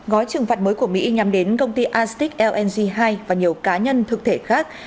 gói trừng phạt mới của mỹ nhắm đến công ty astic lng hai và nhiều cá nhân thực thể khác